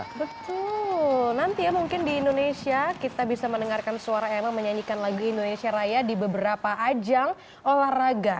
betul nanti ya mungkin di indonesia kita bisa mendengarkan suara email menyanyikan lagu indonesia raya di beberapa ajang olahraga